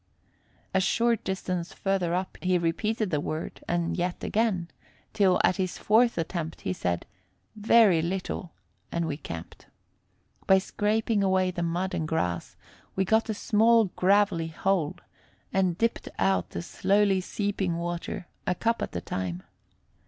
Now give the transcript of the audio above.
A short distance further up, he repeated the word, and yet again, till, at his fourth attempt, he said, "Very little," and we camped. By scraping away the mud and grass, we got a small gravelly hole, and dipped out the slowly seeping water, a cup at a time.